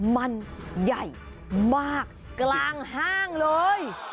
มันใหญ่มากกลางห้างเลย